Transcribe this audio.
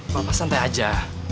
bapak santai aja